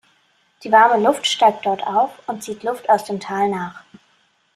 Die warme Luft steigt dort auf und zieht Luft aus dem Tal nach.